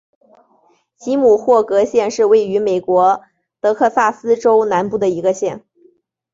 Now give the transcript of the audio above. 吉姆霍格县是位于美国德克萨斯州南部的一个县。